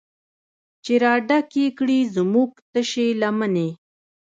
چې راډکې کړي زمونږ تشې لمنې